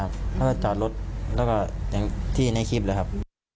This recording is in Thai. ใช่ครับเขาก็จอดรถแล้วก็ที่ในคลิปเลยครับ